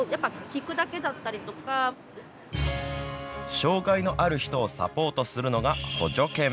障害のある人をサポートするのが補助犬。